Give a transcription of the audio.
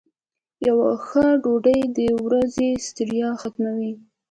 یو ښه ډوډۍ د ورځې ستړیا ختموي.